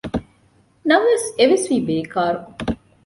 ނަމަވެސް އެވެސް ވީ ބޭކާރު